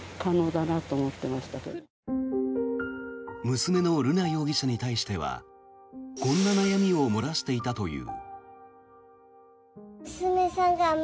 娘の瑠奈容疑者に対してはこんな悩みを漏らしていたという。